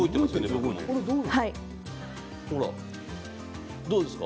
ほら、どうですか？